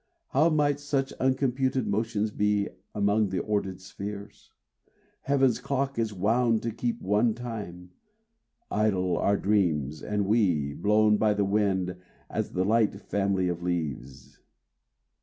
How might such uncomputed motions be Among the ordered spheres? Heaven's clock is wound To keep one time. Idle our dreams, and we, Blown by the wind, as the light family Of leaves."